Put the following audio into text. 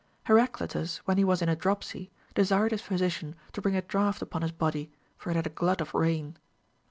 Heraclitus, Avhen he was in a dropsy, desired his physician to bring a drought upon his body, for it had a glut of rain.